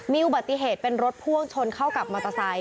มีอุบัติเหตุเป็นรถพ่วงชนเข้ากับมอเตอร์ไซค